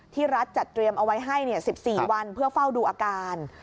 รัฐจัดเตรียมเอาไว้ให้๑๔วันเพื่อเฝ้าดูอาการ